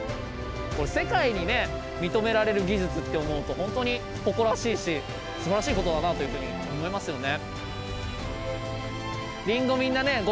世界にね認められる技術って思うとほんとに誇らしいしすばらしいことだなというふうに思いますよね。